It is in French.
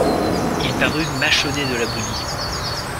Il parut mâchonner de la bouillie.